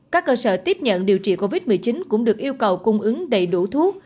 các cơ sở tiếp nhận điều trị covid một mươi chín cũng được yêu cầu cung ứng đầy đủ thuốc